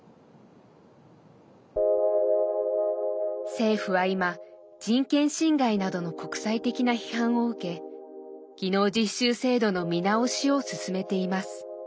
政府は今人権侵害などの国際的な批判を受け技能実習制度の見直しを進めています。